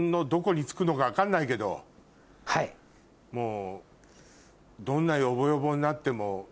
もう。